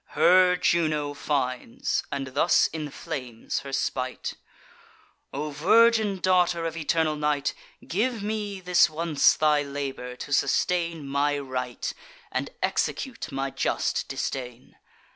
Her Juno finds, and thus inflames her spite: "O virgin daughter of eternal Night, Give me this once thy labour, to sustain My right, and execute my just disdain.